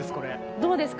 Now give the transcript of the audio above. どうですか？